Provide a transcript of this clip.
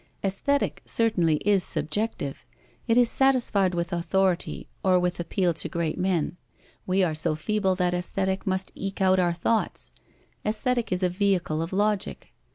Aesthetic certainly is subjective. It is satisfied with authority or with an appeal to great men. We are so feeble that Aesthetic must eke out our thoughts. Aesthetic is a vehicle of Logic.